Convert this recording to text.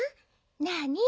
なに？